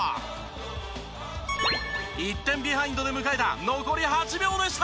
１点ビハインドで迎えた残り８秒でした。